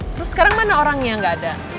terus sekarang mana orangnya gak ada